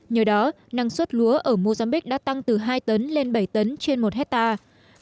nhờ đó năng suất lúa ở mozambiq đã tăng từ hai tấn lên bảy tấn trên một hectare